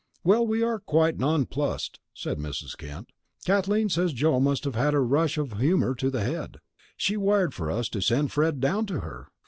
"Well, we are quite nonplussed," said Mrs. Kent. "Kathleen says Joe must have had a rush of humour to the head. She wired for us to send Fred down to her.